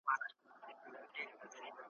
ټولو هېر کړل توپانونه توند بادونه ,